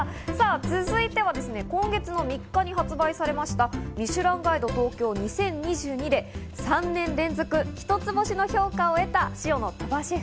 続いては今月の３日に発売されました『ミシュランガイド東京２０２２』で３年連続一つ星の評価を得たｓｉｏの鳥羽シェフ。